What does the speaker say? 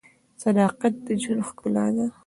صداقت د ژوند ښکلا ده.